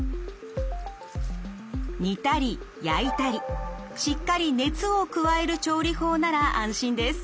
煮たり焼いたりしっかり熱を加える調理法なら安心です。